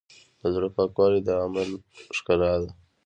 د زړۀ پاکوالی د عمل ښکلا ده.